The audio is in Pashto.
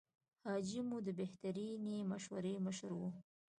حاجي مو د بهترینې مشورې مشر و.